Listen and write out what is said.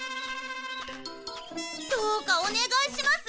どうかおねがいします！